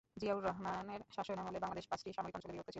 জিয়াউর রহমানের শাসনামলে বাংলাদেশ পাঁচটি সামরিক অঞ্চলে বিভক্ত ছিল।